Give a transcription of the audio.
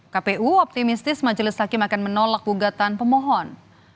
kpu optimistis majelis hakim akan menolak gugatan pemohon